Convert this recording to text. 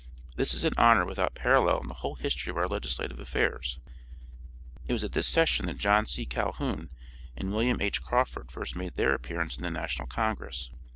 This is an honor without parallel in the whole history of our legislative affairs. It was at this session that John C. Calhoun and William H. Crawford first made their appearance in the National Congress.